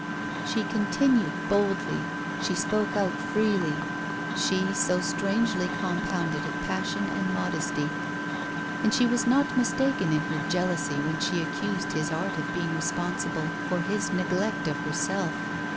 She continued boldly, she spoke out freely she, so strangely compounded of passion and modesty. And she was not mistaken in her jealousy when she accused his art of being responsible for his neglect of herself.